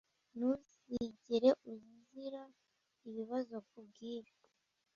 Ntuzigera ugira ibibazo kubwibi?